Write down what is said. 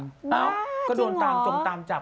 น่าจริงเหรอมีบ่อยแบบนี้ก็โดนจงตามจับ